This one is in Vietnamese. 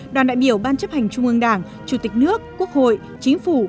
đoàn đại biểu ban chấp hành trung ương đảng chủ tịch nước quốc hội chính phủ